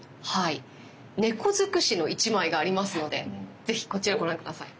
猫尽くしの一枚がありますので是非こちらご覧下さい。